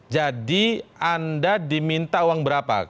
jadi anda diminta uang berapa